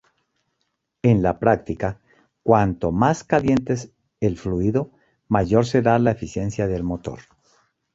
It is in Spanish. En la práctica, cuanto más caliente el fluido, mayor será la eficiencia del motor.